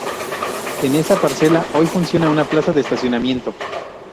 En esa parcela hoy funciona una plaza de estacionamiento.